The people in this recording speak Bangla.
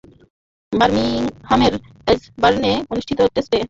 বার্মিংহামের এজবাস্টনে অনুষ্ঠিত টেস্টে তার অভিষেক ঘটে।